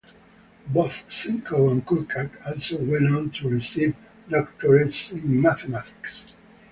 Both Sinkov and Kullback also went on to receive doctorates in mathematics.